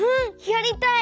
やりたい！